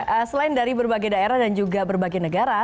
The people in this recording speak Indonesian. ya selain dari berbagai daerah dan juga berbagai negara